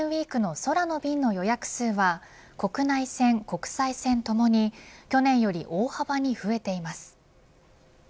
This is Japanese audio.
ゴールデンウイークの空の便の予約数は国内線、国際線ともに去年より大幅に増えています。